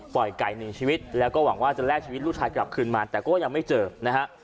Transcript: ไก่หนึ่งชีวิตแล้วก็หวังว่าจะแลกชีวิตลูกชายกลับคืนมาแต่ก็ยังไม่เจอนะฮะ